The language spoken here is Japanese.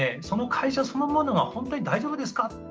その会社そのものが本当に大丈夫ですか。